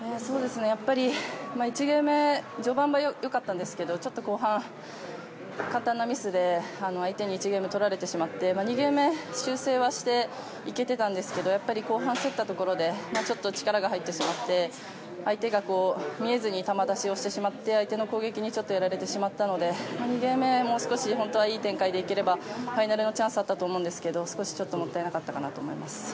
１ゲーム目序盤は良かったんですけどちょっと後半、簡単なミスで相手に１ゲームとられてしまって２ゲーム目、修正はしていけていたんですけど後半競ったところでちょっと力が入ってしまって相手が見えずに球出しをしてしまって相手の攻撃にちょっとやられてしまったので２ゲーム目、もう少し本当はいい展開でいけばファイナルのチャンスはあったと思うんですけど少しもったいなかったかなと思います。